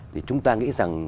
thì chúng ta nghĩ rằng